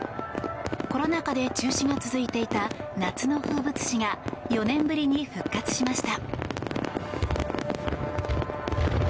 コロナ禍で中止が続いていた夏の風物詩が４年ぶりに復活しました。